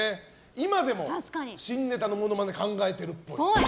今でも新ネタのモノマネ考えてるっぽい。